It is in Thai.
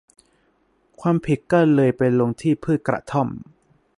ความผิดก็เลยไปลงที่พืชกระท่อม